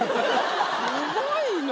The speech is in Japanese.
すごいな。